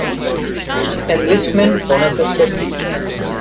Enlistment bonuses were paid.